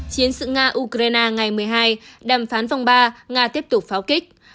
chiến sự nga ukraine ngày một mươi hai đàm phán vòng ba nga tiếp tục pháo kích